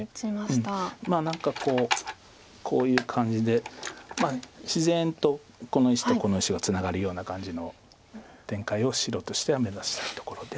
何かこういう感じでまあ自然とこの石とこの石がツナがるような感じの展開を白としては目指したいところで。